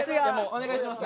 お願いします